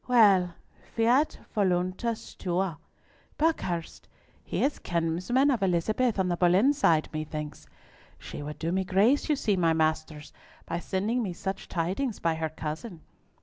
"Well, Fiat voluntas tua! Buckhurst? he is kinsman of Elizabeth on the Boleyn side, methinks! She would do me grace, you see, my masters, by sending me such tidings by her cousin.